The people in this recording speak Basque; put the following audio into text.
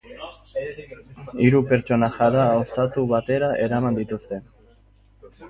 Hiru pertsona jada ostatu batera eraman dituzte.